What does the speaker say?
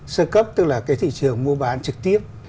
sơ cấp tức là cái thị trường mua bán trực tiếp